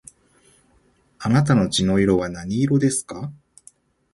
あなたの血の色は何色ですか